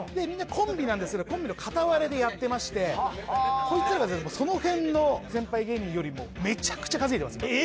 みんなコンビなんですけどコンビの片割れでやってましてこいつらがその辺の先輩芸人よりもめちゃくちゃ稼いでます